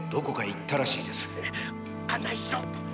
っ⁉案内しろ！